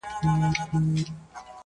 زولنې را څخه تښتي کنه راغلم تر زندانه -